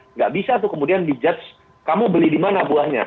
enggak bisa tuh kemudian di judge kamu beli dimana buahnya